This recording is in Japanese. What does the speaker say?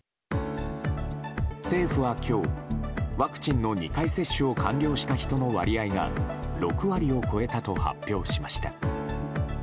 政府は今日ワクチンの２回接種を完了した人の割合が６割を超えたと発表しました。